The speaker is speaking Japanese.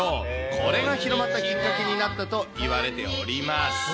これが広まったきっかけになったといわれております。